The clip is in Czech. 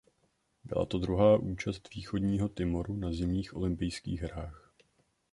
Byla to druhá účast Východního Timoru na Zimních olympijských hrách.